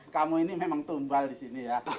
kamu ini memang tumbal di sini ya